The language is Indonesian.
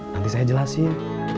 nanti saya jelasin